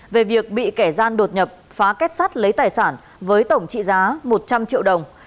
về việc bị kẻ gian đột nhập phá kết sắt lấy tài sản với tổng trị giá một trăm linh triệu đồng